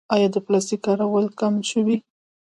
آیا د پلاستیک کارول کم شوي؟